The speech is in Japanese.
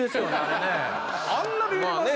あんなビビります？